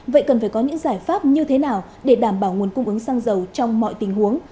vậy cần phải có những giải pháp như thế nào để đảm bảo nguồn cung ứng xăng dầu trong mọi tình huống